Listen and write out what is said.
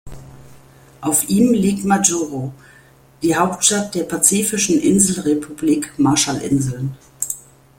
Auf ihm liegt Majuro, die Hauptstadt der pazifischen Inselrepublik Marshallinseln.